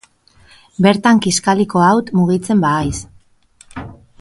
Bertan kiskaliko haut, mugitzen bahaiz.